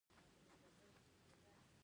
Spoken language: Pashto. د فاریاب په خواجه سبز پوش کې مالګه شته.